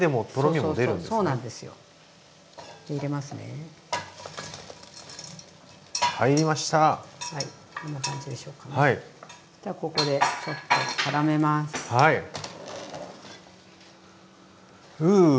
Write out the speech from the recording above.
そしたらここでちょっとからめます。